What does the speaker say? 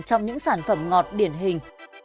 trong những sản phẩm ngọt điển hình